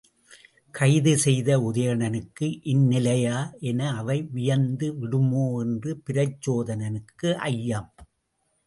கைது செய்த உதயணனுக்கு இந்நிலையா என அவை வியந்து விடுமோ? என்று பிரச்சோதனனுக்கு ஐயம்.